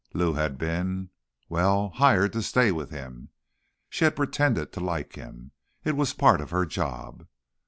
Lou had been ... well, hired to stay with him. She had pretended to like him; it was part of her job.